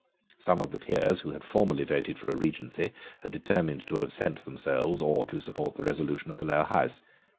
Some of the Peers who had formerly voted for a Regency had determined to absent themselves or to support the resolution of the Lower House.